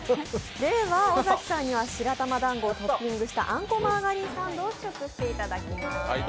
尾崎さんには白玉だんごをトッピングしたあんこマーガリンサンドを試食していただきます。